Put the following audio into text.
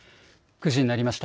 ９時になりました。